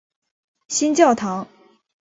新教堂。